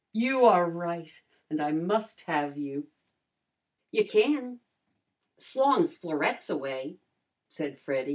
"You are right, and I must have you!" "You kin, s' long's Florette's away," said Freddy.